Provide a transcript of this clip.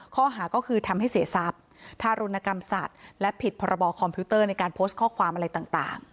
ข้อหาก็คือทำให้เสียทรัพย์ทารุณกรรมสัตว์และผิดพรบคอมพิวเตอร์ในการโพสต์ข้อความอะไรต่าง